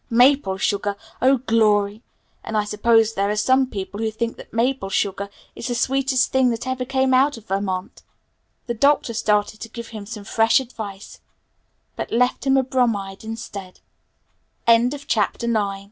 "Maple sugar? Oh, glory! And I suppose there are some people who think that maple sugar is the sweetest thing that ever came out of Vermont!" The Doctor started to give him some fresh advice but left him a bromide instead. X Though the ensuing interview with Cornelia and her mot